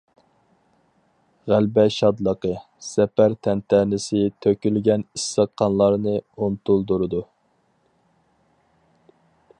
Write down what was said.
غەلىبە شادلىقى، زەپەر تەنتەنىسى تۆكۈلگەن ئىسسىق قانلارنى ئۇنتۇلدۇرىدۇ.